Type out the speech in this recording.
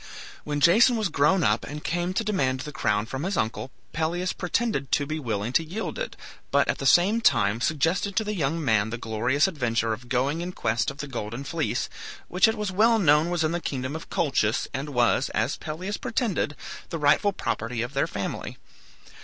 When Jason was grown up and came to demand the crown from his uncle, Pelias pretended to be willing to yield it, but at the same time suggested to the young man the glorious adventure of going in quest of the Golden Fleece, which it was well known was in the kingdom of Colchis, and was, as Pelias pretended, the rightful property of their family.